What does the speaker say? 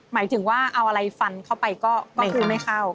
หมายถึงว่าเอาอะไรฟันเข้าไปก็คือไม่เข้า